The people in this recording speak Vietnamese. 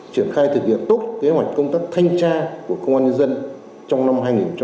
triển khai thực hiện tốt kế hoạch công tác thanh tra của công an nhân dân trong năm hai nghìn hai mươi